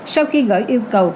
sau khi gửi yêu cầu